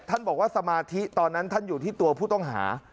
บอกว่าสมาธิตอนนั้นท่านอยู่ที่ตัวผู้ต้องหา